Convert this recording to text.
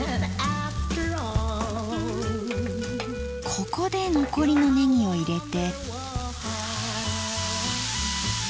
ここで残りのねぎを入れて。